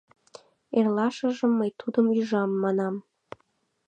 Эрлашыжым мый тудым ӱжам, манам: